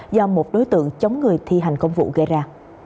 do một đối tượng chống người thi hành công vụ gây ra